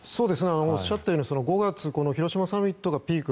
おっしゃったように５月、広島サミットがピーク